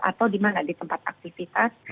atau di mana di tempat aktivitas